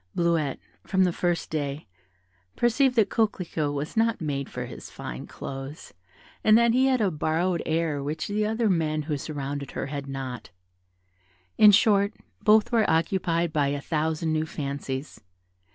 Bleuette, from the first day, perceived that Coquelicot was not made for his fine clothes, and that he had a borrowed air which the other young men who surrounded her had not: in short, both were occupied by a thousand new fancies.